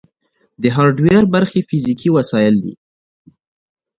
د هارډویر برخې فزیکي وسایل دي.